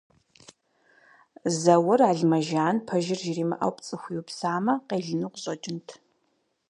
Зэур Алмэжан пэжыр жримыӏэу пцӏы хуиупсамэ, къелыну къыщӏэкӏынт.